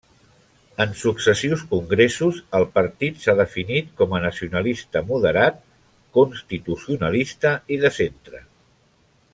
En successius congressos, el Partit s'ha definit com a nacionalista moderat, constitucionalista i de centre.